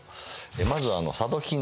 まず佐渡金山